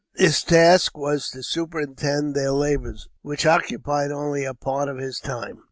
His task was to superintend their labors, which occupied only a part of his time.